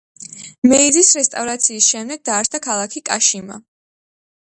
მეიძის რესტავრაციის შემდეგ დაარსდა ქალაქი კაშიმა.